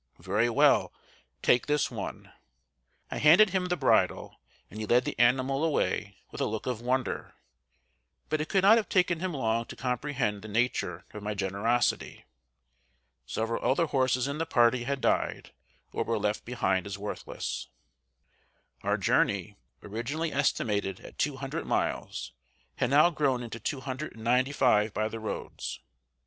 "Very well, take this one." I handed him the bridle, and he led the animal away with a look of wonder; but it could not have taken him long to comprehend the nature of my generosity. Several other horses in the party had died or were left behind as worthless. Our journey originally estimated at two hundred miles had now grown into two hundred and ninety five by the roads.